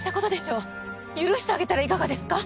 許してあげたらいかがですか？